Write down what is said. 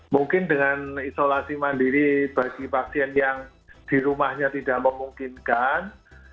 mungkin dengan isolasi mandiri bagi pasien yang di rumahnya tidak memungkinkan